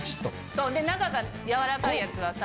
そう中が柔らかいやつはさ。